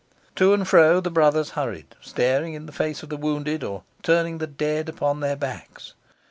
To and fro the brothers hurried, staring in the faces of the wounded, or turning the dead upon their backs.